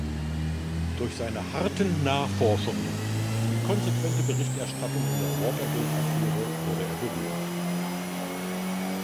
Durch seine harten Nachforschungen und konsequente Berichterstattung in der Watergate-Affäre wurde er berühmt.